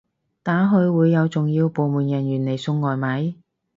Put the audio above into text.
打去會有重要部門人員嚟送外賣？